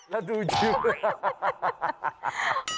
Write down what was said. แล้วดูจิ๊ม